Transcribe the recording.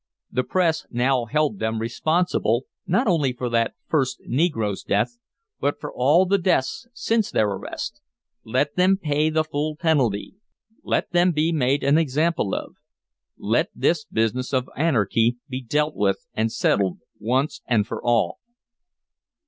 The press now held them responsible not only for that first negro's death, but for all the deaths since their arrest. Let them pay the full penalty! Let them be made an example of! Let this business of anarchy be dealt with and settled once and for all!